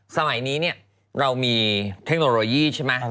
สมัยนี้เนี่ยเรามีเทคโนโลยีใช่ไหม